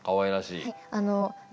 はい。